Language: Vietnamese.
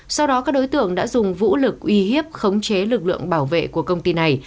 sau đó các đối tượng đã dùng vũ lực uy hiếp khống chế lực lượng bảo vệ của công ty này